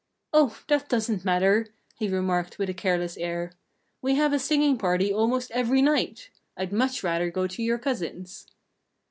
"Oh! That doesn't matter," he remarked with a careless air. "We have a singing party almost every night. I'd much rather go to your cousin's."